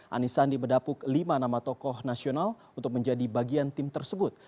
anies sandi mendapuk lima nama tokoh nasional untuk menjadi bagian tim tersebut